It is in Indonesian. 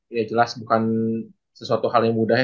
ya jelas bukan sesuatu hal yang mudah ya